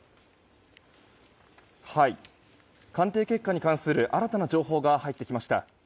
鑑定結果に関する新たな情報が入ってきました。